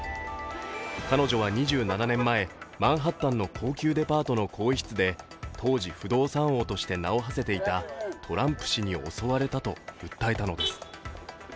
彼女は２７年前、マンハッタンの高級デパートの更衣室で当時、不動産王として名をはせていたトランプ氏に襲われたと訴えたのです。